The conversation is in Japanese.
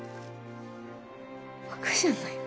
バカじゃないの？